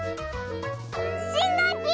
しんごうき！